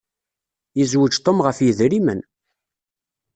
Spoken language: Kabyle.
Yezweǧ Tom ɣef yedrimen.